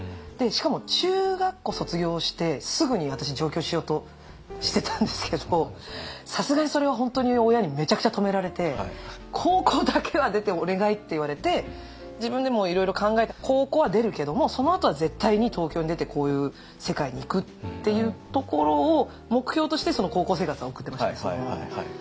しかも中学校卒業してすぐに私上京しようとしてたんですけどさすがにそれは本当に親にめちゃくちゃ止められて「高校だけは出てお願い」って言われて自分でもいろいろ考えて高校は出るけどもそのあとは絶対に東京に出てこういう世界に行くっていうところを目標として高校生活は送ってましたね。